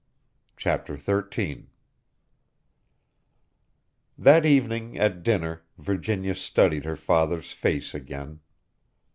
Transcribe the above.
Chapter Thirteen That evening at dinner Virginia studied her father's face again.